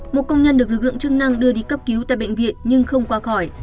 một công nhân được lực lượng chức năng đưa đi cấp cứu tại bệnh viện nhưng không qua khỏi